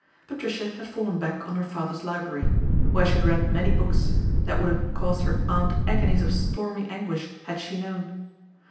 Patricia had fallen back on her father's library, where she had read many books that would have i8 PATRICIA BRENT, SPINSTER caused her aunt agonies of stormy anguish, had she known.